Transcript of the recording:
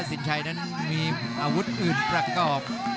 สินชัยนั้นมีอาวุธอื่นประกอบ